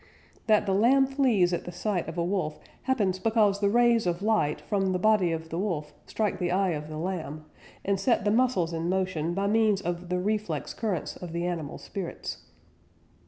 "That the lamb flees at the sight of a wolf happens because the rays of light from the body of the wolf strike the eye of the lamb, and set the muscles in motion by means of the 'reflex' currents of the animal spirits."